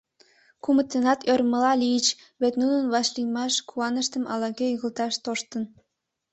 Кумытынат ӧрмыла лийыч, вет нунын вашлиймаш куаныштым ала-кӧ игылташ тоштын.